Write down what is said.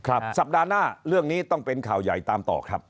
สัปดาห์หน้าเรื่องนี้ต้องเป็นข่าวใหญ่ตามต่อครับ